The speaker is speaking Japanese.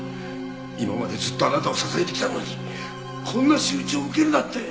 今までずっとあなたを支えてきたのにこんな仕打ちを受けるなんて！